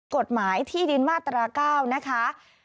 กฎหมายที่ดินมาตรา๙นะคะ